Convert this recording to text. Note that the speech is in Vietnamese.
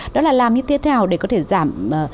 đó là làm như thế nào để có thể giảm